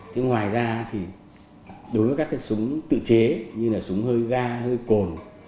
thế ngoài ra thì đối với các cái súng tự chế như là súng hơi ga hơi cồn